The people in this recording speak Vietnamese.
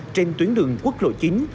trên tuyến đường quốc lộ chính